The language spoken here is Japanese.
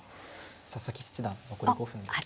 佐々木七段残り５分です。